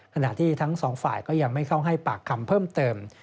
ขณะที่ทั้งสองฝ่ายก็ยังไม่เข้าให้ปากคำเพิ่มเติม